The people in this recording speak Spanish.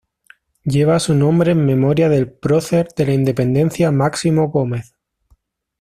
Lleva su nombre en memoria del prócer de la independencia Máximo Gómez.